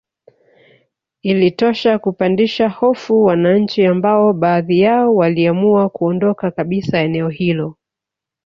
Ilitosha kupandisha hofu wananchi ambao baadhi yao waliamua kuondoka kabisa eneo hilo